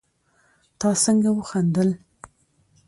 تا څنګه وخندل